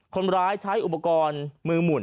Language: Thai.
คนร้ายใช้อุปกรณ์มือหมุน